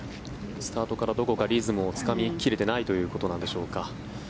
スタートからどこかリズムをつかみ切れていないということでしょうか。